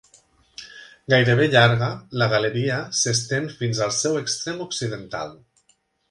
Gairebé llarga, la galeria s'estén fins al seu extrem occidental.